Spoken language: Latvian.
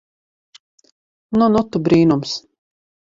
Nu nu tu brīnums.